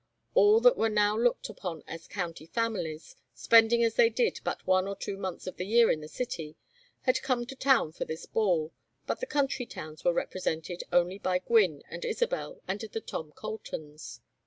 All that were now looked upon as county families, spending as they did but one or two months of the year in the city, had come to town for this ball, but the country towns were represented only by Gwynne and Isabel and the Tom Coltons.